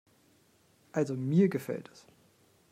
Also mir gefällt es.